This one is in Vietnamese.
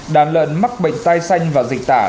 đàn lợn mắc bệnh tai xanh và dịch tả